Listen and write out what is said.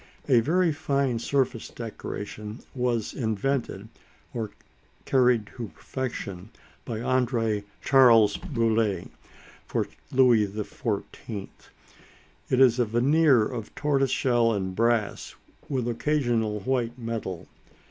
A very fine surface decoration was invented, or carried to perfection, by André Charles Boule, for Louis XIV. It is a veneer of tortoise shell and brass, with occasional white metal.